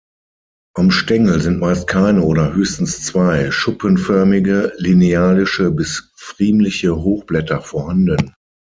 Am Stängel sind meist keine oder höchstens zwei, schuppenförmige, linealische bis pfriemliche Hochblätter vorhanden.